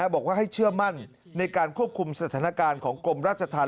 บอกว่าให้เชื่อมั่นในการควบคุมสถานการณ์ของกรมราชธรรม